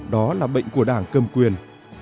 đó là bệnh của đảng cầm quyền